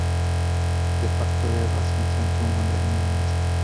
De facto je vlastně centrem moderního města.